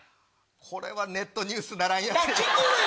これはネットニュースならんやろ。